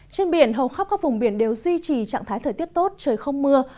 trên biển hầu khắp các vùng biển đều duy trì trạng thái thời tiết tốt trời không mưa